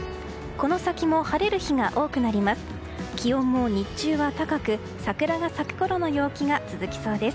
この先も晴れる日が多くなります。